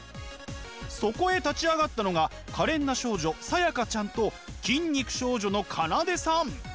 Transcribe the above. そこへ立ち上がったのが可憐な少女さやかちゃんと筋肉少女の奏さん。